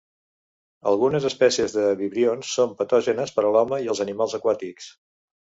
Algunes espècies de vibrions són patògenes per a l'home i els animals aquàtics.